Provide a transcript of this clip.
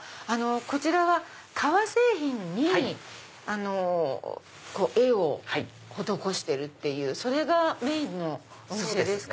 こちらは革製品に絵を施してるっていうそれがメインのお店ですか？